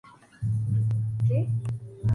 Su pico es recto y de color azul negruzco.